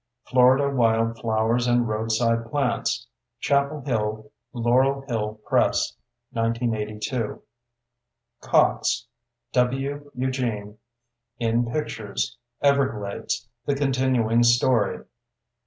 Florida Wildflowers and Roadside Plants. Chapel Hill: Laurel Hill Press, 1982. Cox, W. Eugene. _In Pictures—Everglades: The Continuing Story.